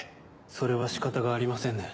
それは仕方がありませんね。